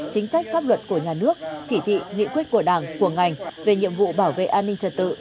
chính sách pháp luật của nhà nước chỉ thị nghị quyết của đảng của ngành về nhiệm vụ bảo vệ an ninh trật tự